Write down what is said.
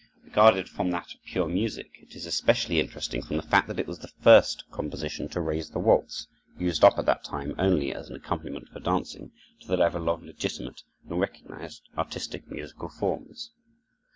Regarded from that of pure music, it is especially interesting from the fact that it was the first composition to raise the waltz, used up to that time only as an accompaniment for dancing, to the level of legitimate and recognized artistic musical forms.